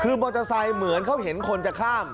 คือมอเตอร์ไซค์เหมือนเขาเห็นคนจะข้าม